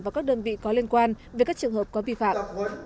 và các đơn vị có liên quan về các trường hợp có vi phạm